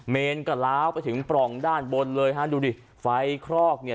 เมนก็ล้าวไปถึงปล่องด้านบนเลยฮะดูดิไฟคลอกเนี่ย